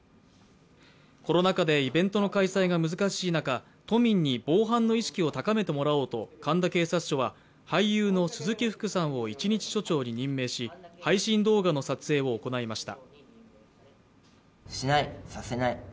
コロナ禍でイベントの開催が難しい中都民に防犯の意識を高めてもらおうと神田警察署は俳優の鈴木福さんを一日署長に任命し配信動画の撮影を行いました。